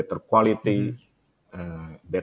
dengan kualitas yang lebih baik